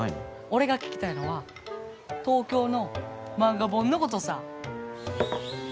俺が聞きたいのは東京の漫画本のことさぁ。